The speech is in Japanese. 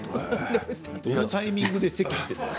どのタイミングでせきをしているの？